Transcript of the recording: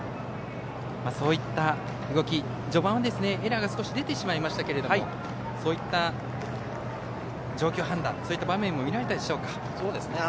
そういった動き、序盤はエラーが少し出てしまいましたがそういった状況判断という場面も見られたでしょうか。